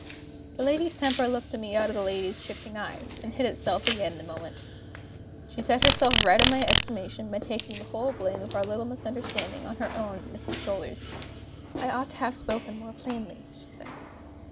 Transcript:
The lady's temper looked at me out of the lady's shifting eyes, and hid itself again in a moment. She set herself right in my estimation by taking the whole blame of our little misunderstanding on her own innocent shoulders. "I ought to have spoken more plainly," she said.